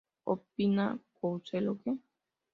Opina Couselo que